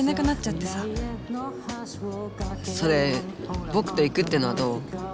それぼくと行くっていうのはどう？